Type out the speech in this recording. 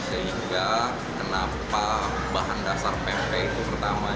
sehingga kenapa bahan dasar pempek itu pertama